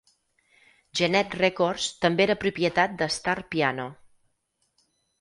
Gennett Records també era propietat de Starr Piano.